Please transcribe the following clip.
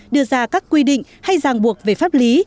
đưa ra các quy định hay giang buộc về pháp lý